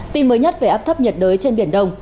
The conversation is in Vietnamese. tin mới nhất về áp thấp nhiệt đới trên biển đông